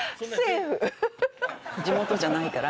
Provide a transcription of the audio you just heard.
地元じゃないから。